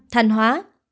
năm thanh hóa